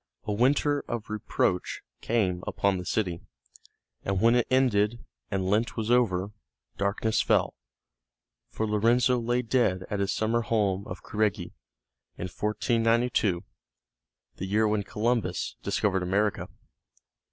A winter of reproach came upon the city, and when it ended, and Lent was over, darkness fell, for Lorenzo lay dead at his summer home of Careggi, in 1492 the year when Columbus discovered America.